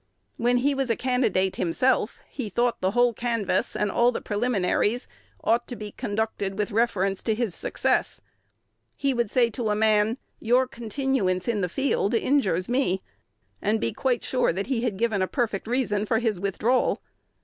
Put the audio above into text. When he was a candidate himself, he thought the whole canvass and all the preliminaries ought to be conducted with reference to his success. He would say to a man, "Your continuance in the field injures me" and be quite sure that he had given a perfect reason for his withdrawal.